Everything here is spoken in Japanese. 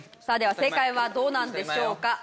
さあでは正解はどうなんでしょうか？